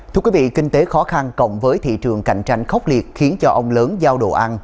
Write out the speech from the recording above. thưa quý vị kinh tế khó khăn cộng với thị trường cạnh tranh khốc liệt khiến cho ông lớn giao đồ ăn